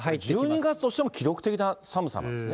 １２月としても記録的な寒さなんですね。